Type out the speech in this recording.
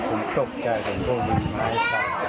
ผมตกใจกับผู้หญิงไอ้ทะเล